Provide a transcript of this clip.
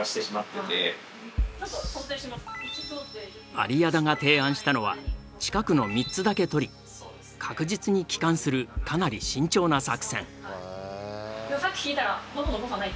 有屋田が提案したのは近くの３つだけ取り確実に帰還するかなり慎重な作戦。